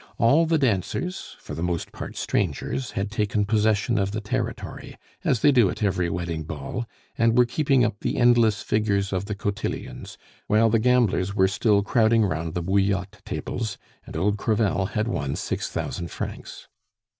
All the dancers, for the most part strangers, had taken possession of the territory, as they do at every wedding ball, and were keeping up the endless figures of the cotillions, while the gamblers were still crowding round the bouillotte tables, and old Crevel had won six thousand francs.